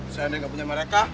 sayangnya nggak punya mereka